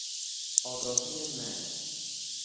آگاهی مرگ